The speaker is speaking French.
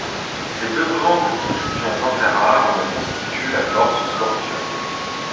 Ces deux grandes divisions interarmes constituent la force Scorpion.